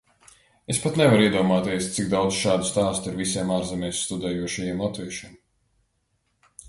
Es pat nevaru iedomāties, cik daudz šādu stāstu ir visiem ārzemēs studējošajiem latviešiem.